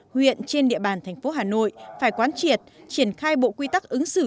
huyện trên địa bàn thành phố hà nội phải quán triệt triển khai bộ quy tắc ứng xử